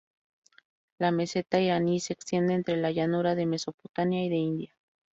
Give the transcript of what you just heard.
La "Meseta iraní" se extiende entre la llanura de Mesopotamia y de India.